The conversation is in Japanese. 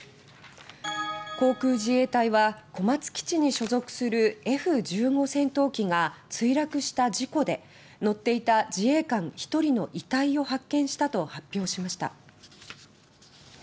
航空自衛隊は小松基地に所属するＦ１５戦闘機が墜落した事故で操縦していた自衛官１人の遺体を発見したと発表しました。